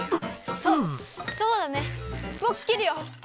そそうだねぼく切るよ！